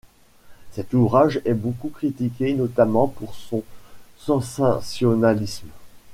Cet ouvrage est beaucoup critiqué notamment pour son sensationnalisme.